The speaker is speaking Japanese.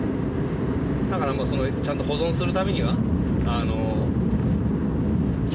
だからもうちゃんと保存するためには。